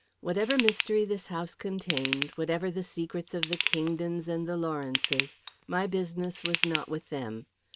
Whatever mystery this house contained, whatever the secrets of the Kingdons and the Lawrences, my business was not with them.